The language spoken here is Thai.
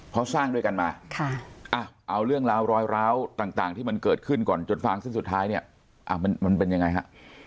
เพราะสร้างด้วยกันมาเอาเรื่องราวรอยร้าวต่างที่มันเกิดขึ้นก่อนจนฟางเส้นสุดท้ายเนี่ยมันเป็นยังไงฮะ